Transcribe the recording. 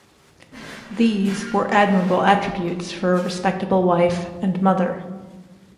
These were admirable attributes for a respectable wife and mother.